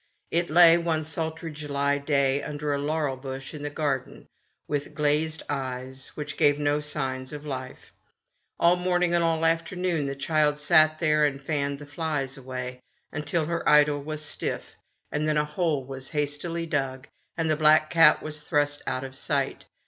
It lay, one sultry July day, under a laurel bush in the garden, with glazed eyes which gave no signs of life. All morning and all afternoon the child sat there and fanned the 18 THE STORY OF A MODERN WOMAN. flies away, until her idol was stiff, and then a hole was hastily dug, and the black cat was thrust out of sight.